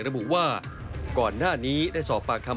ระบุว่าก่อนหน้านี้ได้สอบปากคำ